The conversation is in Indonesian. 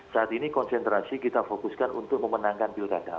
saat ini konsentrasi kita fokuskan untuk memenangkan pilkada